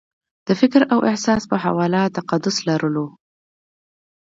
د فکر او احساس په حواله تقدس لرلو